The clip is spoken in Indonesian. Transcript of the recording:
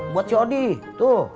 buat si odi tuh